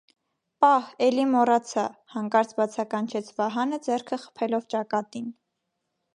Պա՛հ, էլի մոռացա,- հանկարծ բացականչեց Վահանը, ձեռքը խփելով ճակատին: